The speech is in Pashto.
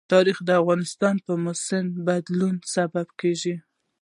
تاریخ د افغانستان د موسم د بدلون سبب کېږي.